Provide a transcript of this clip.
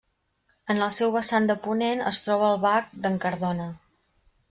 En el seu vessant de ponent es troba el Bac d'en Cardona.